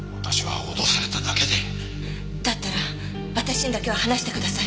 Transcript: だったら私にだけは話してください。